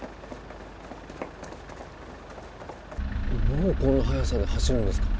もうこんな速さで走るんですか？